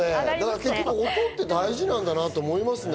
結局、音って大事なんだなって思いますね。